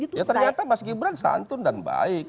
ya ternyata mas gibran santun dan baik